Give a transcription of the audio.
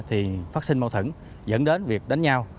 thì phát sinh mâu thửng dẫn đến việc đánh nhau